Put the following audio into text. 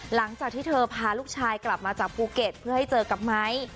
หลังจากที่เธอพาลูกชายกลับมาจากภูเก็ตเพื่อให้เจอกับไม้